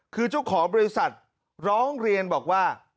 คือเจ้าของบริษัทร้องเรียนบอกว่า